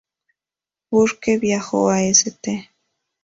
Burke viajó a St.